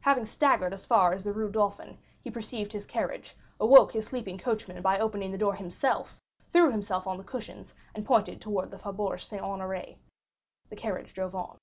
Having staggered as far as the Rue Dauphine, he perceived his carriage, awoke his sleeping coachman by opening the door himself, threw himself on the cushions, and pointed towards the Faubourg Saint Honoré; the carriage drove on.